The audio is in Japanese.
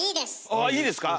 ああっいいですか？